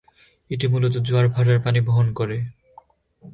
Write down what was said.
এটি মূলত জোয়ার ভাটার পানি বহন করে।